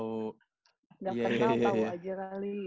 nggak kenal tahu aja kali